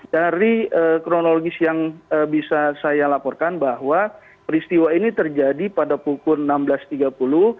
dari kronologis yang bisa saya laporkan bahwa peristiwa ini terjadi pada pukul enam belas tiga puluh